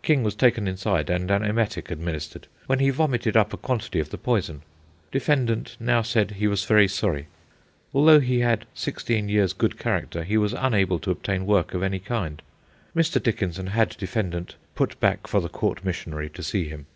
King was taken inside and an emetic administered, when he vomited up a quantity of the poison. Defendant now said he was very sorry. Although he had sixteen years' good character, he was unable to obtain work of any kind. Mr. Dickinson had defendant put back for the court missionary to see him.